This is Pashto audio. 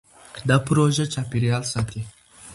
دا پروژه چاپېریال ساتي.